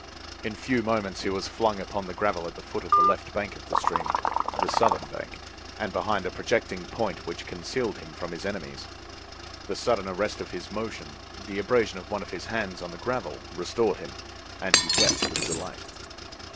In few moments he was flung upon the gravel at the foot of the left bank of the stream—the southern bank—and behind a projecting point which concealed him from his enemies. The sudden arrest of his motion, the abrasion of one of his hands on the gravel, restored him, and he wept with delight.